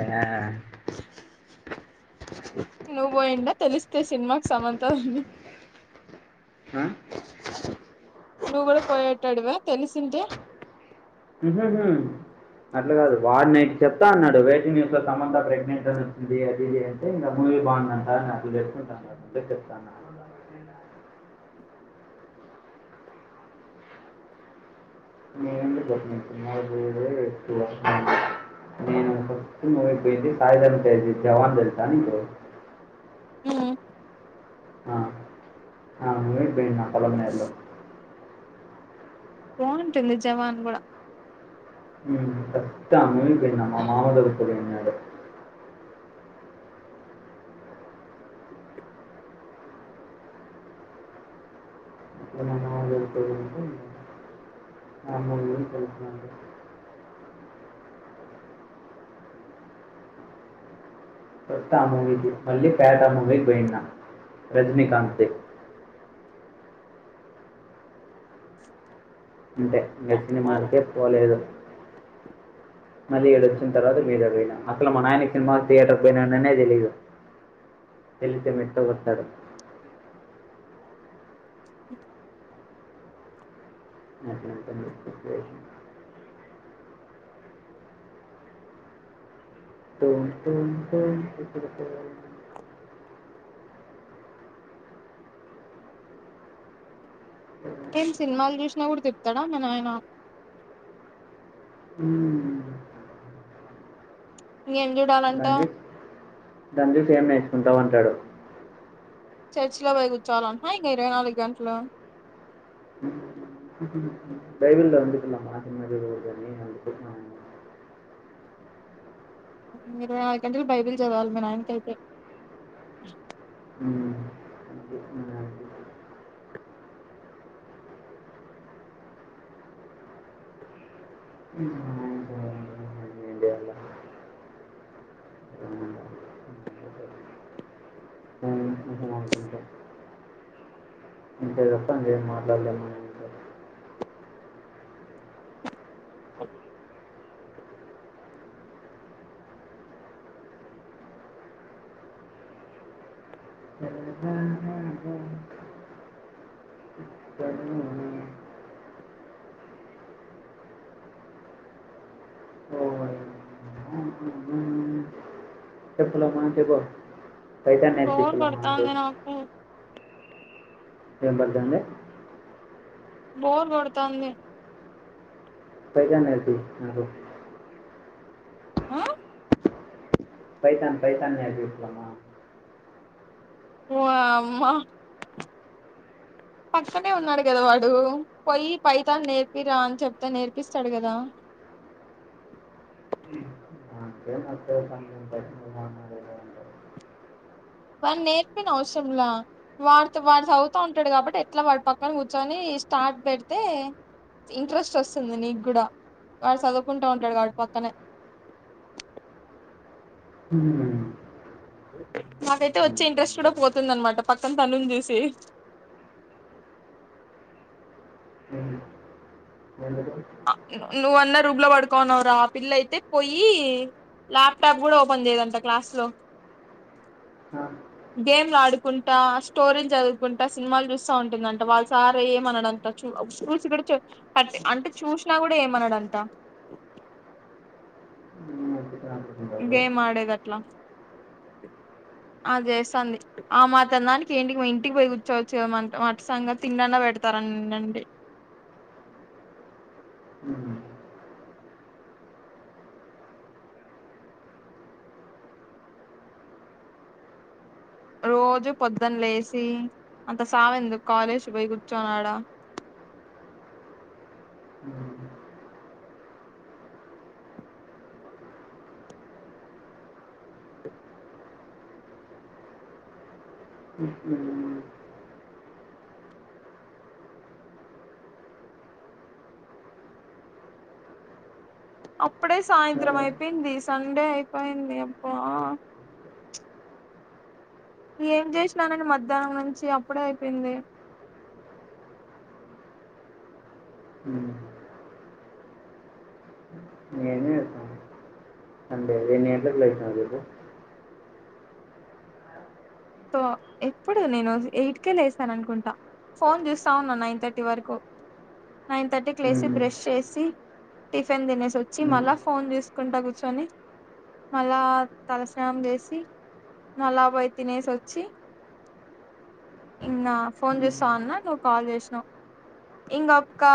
Yeah నువ్వు పోయిండ్ల తెలిస్తే సినిమాకి సమంత దని ఆ నువ్వు గుడా పోయ్యెటోడివా తెలిసింటె [unintelligible] అట్లా కాదు వాడి నైట్ చెప్తా అన్నాడు వెయిటింగ్ న్యూస్లో సమంతా ప్రెగ్నెంట్ అని వచ్చింది అది ఇది అంటే ఇంగ ము మూవీ బాగుందంట నాకు చెప్తుంది అంటే చెప్తా అన్నా. [unintelligible] నేను ఫస్ట్ మూవీ కి బోయిండేది సాయిధరున్ తేజ్ ది జవాన్ దెలుసా నీకు ఉ ఆ ఆ మూవీకి బొయిన్న కొలమనేర్లో బాంటుంది జవాన్ గుడా హుమ్ ఫస్ట్ ఆమెమా మమ్ములకి పిలుతే పోయింది ఆమె. అప్పుడు [unintelligible] ఆ మూడు వేల్ తెలుసునా అండి. ఫస్టు ఆ మూవికి మళ్ళీ పేట మూవికి పోయినా రజనీకాాంత్ ది అంతే ఇంగ సినిమాలకే పోలేదు మరి ఎడొచ్చిన తర్వాత మీద పోయినా అసలు మా నాయన సినిమా తి తీయేటర్ పోయినాననే తెలీదు తెలిస్తే మెట్టితో గొడ్తాడు అట్లుంటుంది సిచువేషన్ తోం తోం తోం తుత్తురతోమ్ ఏం సినిమాలు జూషినా గుడా తిడ్తాడ మీ నాయన ఊమ్ ఇంకేం చూడాలంట దాన్ జూస్ దాన్ జూసి ఏం నేర్చుకుంటావ్ అంటాడు చర్చి లో బొయ్ గుచ్చోలంటన ఇంగ ఇరవై నాలుగు గంట్లు బైబిల్ [unintelligible] ఇంగ ఇరవై నాలుగు గంటలు బైబిల్ జదవాలి మీ నాయనకైతే ఊమ్ అది [unintelligible] [unintelligible] అనుకుంటా అంతే దప్ప ఇంగేం మాట్లాడలేమ్ మా నాయనతో రారారంక టైటాన్ ఏం బోర్ సీఫలమా అదీ. కొడతాంది నాకు వినబడతాంద బోర్ గొడతాంది పైతాన్ నేర్పి నాకు ఆ పైతాన్ పైతాన్ నేర్పి ఇట్లమా వామ్మా పక్కనే ఉన్నాడు గదా వాడు పోయ్యి పైతాన్ నేర్పిరా అని చెప్తే నేర్పిస్తాడు గదా [inaudible] వాడు నేర్పిన అవసరంలా వాడుత వాడు చదువుతా ఉంటాడు కాబట్టి ఎట్లా వాడు పక్కన కూర్చొని స్టార్ట్ పేడీతే ఇంట్రెస్ట్ వస్తుంది నీకు కూడా వాడు చదువుకుంటా ఉంటాడు వాడు పక్కనే ఉ మాకైతే వచ్చే ఇంట్రెస్ట్ కూడా పోతుంది అనమాట పక్కన తనుని చూసి ఎందుకు ఆ ను నువ్వన్నా రూమ్ లో పడుకోన్నావు రా ఆ పిల్ల అయితే పోయి ల్యాప్టాప్ కూడా ఓపెన్ చేయదంట క్లాస్ లో ఆ గేమ్లు ఆడుకుంటా స్టోరీలు చదువుకుంటా సినిమాలు చూస్తా ఉంటుందంట వాళ్ళ సార్ ఏమ అనడంట చు స్కూల్స్ కూడాచ్చ పట్టే అంటే చూసినా కూడా ఏమన్నాడ అంట నడుపుకుంటారు గేమ్ ఆడేది అట్లా ఆది చేస్తాంది ఆ మాత్రం దానికి ఏంటి కి మీ ఇంటికి పోయి కూర్చోవచ్చు మడ్ సంగ తిండి అన్నా పెడ్ పెడతారు అన్ అటి రోజు పొద్దున లేసి అంత సావు ఎందుకు కాలేజ్ పోయి కూర్చోన్నాడా అప్పుడే సాయంత్రం సరే అయిపోయింది సండే అయిపోయింది అబ్బా ఏం చేసినానని మధ్యాహ్నం నుంచి అప్పుడే అయిపోయింది సండే ఎన్ని గంటలకు లేచివు ఈరోజు తో ఎప్పుడు నేను ఎయిటికె లేసాను అనుకుంటా ఫోన్ చూస్తా ఉన్నా నైన్ థర్టీ వరకు నైన్ థర్టీ కి లేసి బ్రష్ చేసి టిఫిన్ తినేసి వచ్చి మళ్ళా ఫోన్ చూసుకుంటా కూర్చొని మళ్ళా తలస్నానం చేసి మళ్ళా పోయి తినేసి వచ్ ఛీ ఇంగా ఫోన్ చూస్తా ఉన్న నువ్వు కాల్ చేసినవు ఇంకొక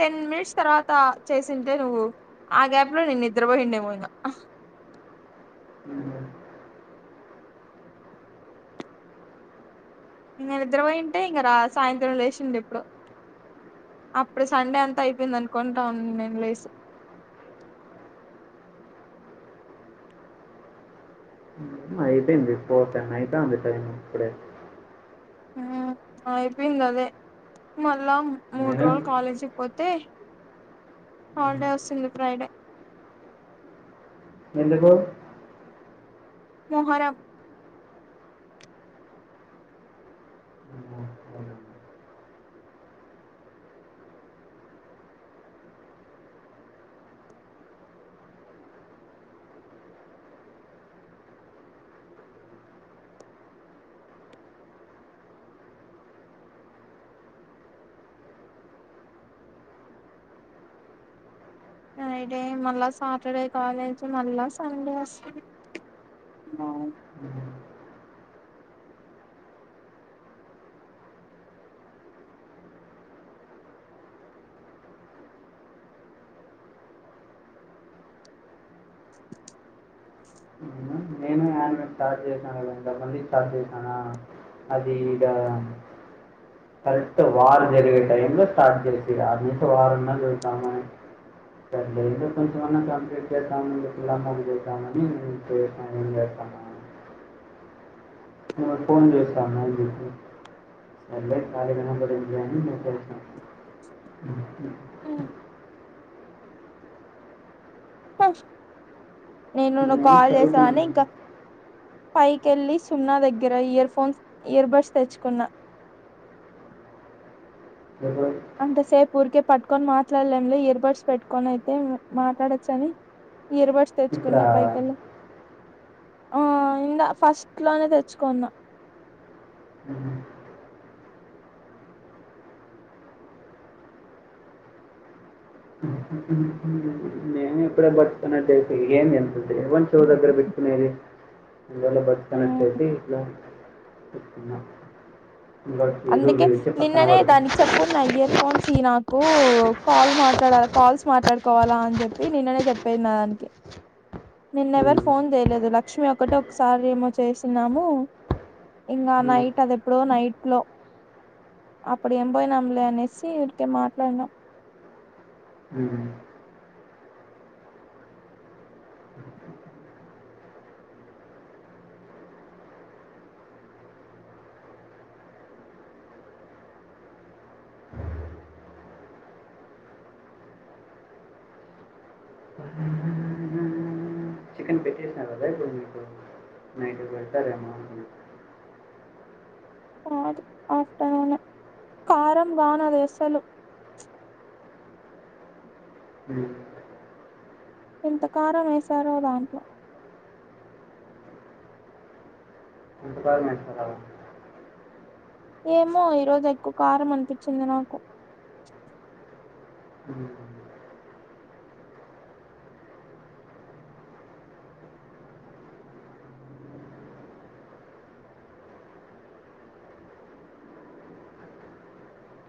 టెన్ మినిట్స్ తర్వాత చేసింటే నువ్వు ఆ గ్యాప్ లో నేను నిద్రపోయి ఉండే ఏమో ఇంగా ఇంగా ఇంగా నిద్రపోయింటే ఇంకా రా సాయంత్రం లేచిందు ఇప్పుడో అప్పుడు సండే అంతా అయిపోయింది అనుకుంటా ఉన్న నేను లేసి అయిపోయింది ఫోర్ టెన్ అయితాంది టైం అప్పుడే ఉ అయిపోయింది అదే మళ్ళా మూడు నేను రోజులు కాలేజీకి పోత్ తే హాలిడే వస్తుంది ఫ్రైడే ఎందుకు మొహరం ఫ్రైడే మళ్ళా సాటర్డే కాలేజ్ మళ్ళా సండే వస్తది న్నవ్ సాయంత్రం స్టార్ట్ చేసినా కదా ఇంక మళ్ళీ స్టార్ట్ చేసినా అది ఈడ కరెక్ట్ వార్ జరిగే టైం లో స్టార్ట్ చేసి అది నుంచి వారంన్నా చతామనే సర్లే ఇంకా కొంచెంమన్నా కంప్లీట్ చేద్దామని పిల్లా మోగ చేస్తామని ఇంగా చేసిన నా ఇంకా ఫోన్ చేసినా నా నీకి సర్లే ఖాళీగా ఉన్నప్పుడు ఏంలేని మెసేజ్ నేను నువ్వు కాల్ చేసావని ఇంకా పైకెళ్ళలి సుమన దగ్గర ఇయర్ఫో ఇయర్బడ్స్ తెచ్చుకున్న ఎప్పుడు అంతసేపు ఊరికే పట్టుకొని మాట్లాడలేంలే ఇయర్బడ్స్ పెట్టుకొని అయితే మాట్లాడొచ్చని ఇయర్బడ్స్ ఇక్కడ తెచ్చుకున్న పైకలు ఆ ఇంద ఫస్ట్ లోనే తెచ్చుకున్నా ఉ కూడా బర్డ్స్ ఏంది ఎంత చెవ్వు దగ్గర పెట్టుకునేది ఇలో బర్డ్స్ కనెక్ట్ మ్ చేసి చెప్తున్న అందుకే నిన్ననే దానికి చెప్పు నా ఇయర్ ఫోన్స్ నాకు కాల్ మాట్లాడ కాల్స్ మాట్లాడుకోవాలా అని చెప్పి నిన్ననే చెప్పేది దానికి నిన్నెవరు ఫోన్ చేయలేదు లక్ష్మి ఒకటి ఒకసారి ఏమో చేసిన్నాము ఇంకా నైట్ అది ఎప్పుడో నైట్ లో అప్పుడు ఏం పోయినాంలే అనేసి ఊరీకే మాట్లాడినాం చికెన్ పెట్టేసిన కదా ఇప్పుడు మీకు నైట్ పెడతారేమో అనుకున్నా. అదు ఆఫ్టర్నూన్ కారం బగానే వేస్తారు అసలు ఉమ్. ఎంత కారం వేశారో దాంట్లో గవర్నమెంట్ ఏమో ఈరోజు ఎక్కువ కారం అనిపించింది నాకు ఉమ్.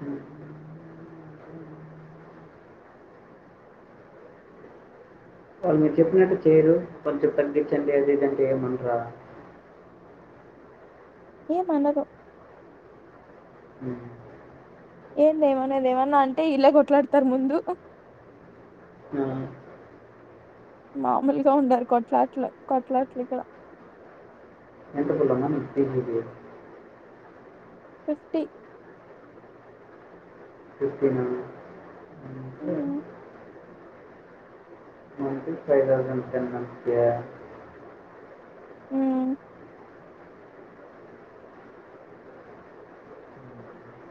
ఉమ్. వాళ్ళు మీరు చెప్పినట్టు చేయరు కొంచెం తగ్గించండి అది ఇదంటే ఏమంటరా ఏ మనరు ఉమ్. ఏం లేేమన్నా లేేమన్నా అంటే ఇల్లే కొట్లాడతారు ముందు ఆ, మామూలుగా ఉండారు కొట్లాట్లు కొట్లాట్లు ఇక్కడ ఎంత [inaudible] ఫిటీ ఇచ్చినం ఉ హు మనకి ఫైవ్ టెన్ అంతే ఉ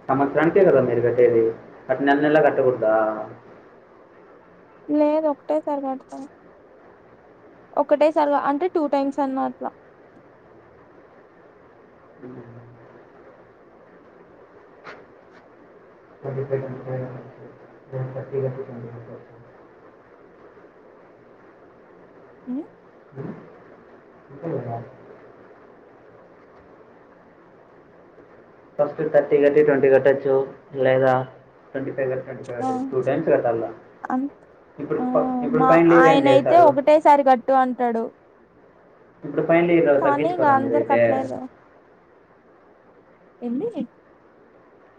సంవత్సరానికే కదా మీరు కట్టేది బట్ నెల నెలా కట్టకూడదా లేదు ఒకటే కడతాము మేము ఒకటే సర్ అంటే టూ టైమ్స్ అన్నా అట్లా twenty five twenty five thirty కట్టి ట్వంటీ ఫైవ్ ఉమ్ ఫస్ట్ థర్టీ కట్టి ట్వంటీ కట్టచ్చు లేదా ట్వంటీ ఆ టూ టైమ్స్ కట్టాల అంత్ ఇప్పుడు ఆ తాప్ ఇప్పుడు మా పైన లేరు ఏం ఆయన అయితే చేశారు ఒకటేసారి కట్టు అంటాడు ఇప్పుడు ఫైనల్ ఇయర్ కానీ ఇక తగ్గించుకోరా అందరు మీరైతే కట్టలేరు ఎవని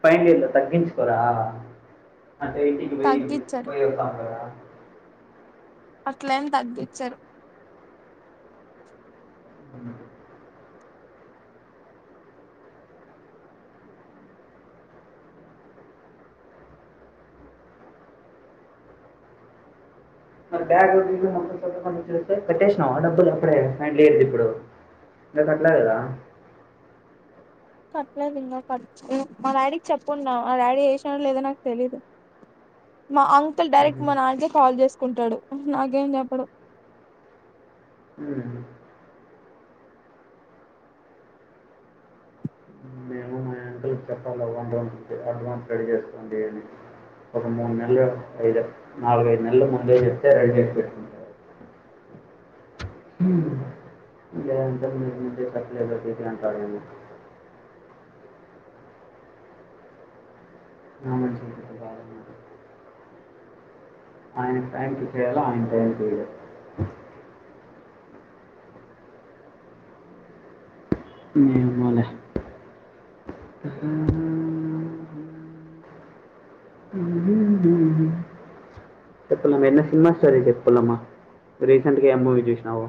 పైనలీర్ తగ్గించుకోరా అంటే ఇంటికి పోయి తగ్గించారు పోయితాంటార అట్ల ఏం తగ్గించారు మరి బ్యాగ్ మొత్తం కొస్తే పెట్టేసినావు ఆ డబ్బులు అప్పుడే లేది ఇప్పుడు ఇక కట్లాదా [inaudible] కట్టలేదు ఇంకా కట్ మా డాడీకి చెప్పుకుంటన్నా ఆ డాడీ ఎసినడో లేదో నాకు తెలీదు మా అంకుల్ డైరెక్ట్ గా మ్మ్. మా నాన్నకి కాల్ చేసినాడు కుంటాడు నాకేం చెప్పడు మ్మ్. మేము మా అంకుల్కి చెప్పాలి అడ్వాన్స్ పే చేస్తందని ఒక మూడు నెలలు ఐదు నాలుగ ఐదు నెలల ముందే చెప్తే రెడీ చెసి పెట్ లేదంత మీరు ముట్లేద అంటాడేమ [inaudible] అ ఆయన టైంకి చేయాల ఆయన టైంకి వెయ యమాలే చెప్పాలమ్మా ఎన్న సినిమా స్టోరీ చెప్పాలమ్మా రీసెంట్ గా ఏ మూవీ చూసినావు